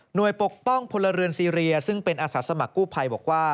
โดยปกป้องพลเรือนซีเรียซึ่งเป็นอาสาสมัครกู้ภัยบอกว่า